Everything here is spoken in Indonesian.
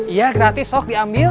iya gratis sok diambil